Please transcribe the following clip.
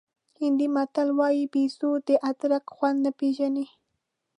هندي متل وایي بېزو د ادرک خوند نه پېژني.